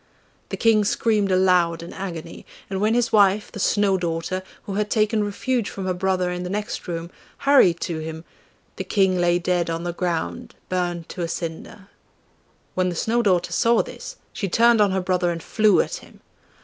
The King screamed aloud in agony, and when his wife, the Snow daughter, who had taken refuge from her brother in the next room, hurried to him, the King lay dead on the ground burnt to a cinder. When the Snow daughter saw this she turned on her brother and flew at him.